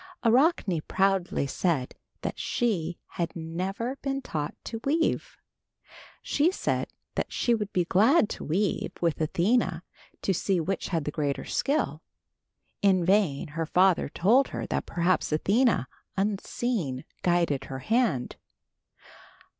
Arachne proudly said that she had never been taught to weave. She said that she would be glad to weave with Athena to see which had the greater skill. In vain her father told her that perhaps Athena, unseen, guided her hand.